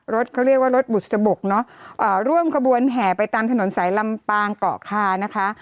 รถเขาเรียกว่ารถบุษบกเนอะร่วมขบวนแห่ไปตามถนนสายลำปางเกาะคานะคะ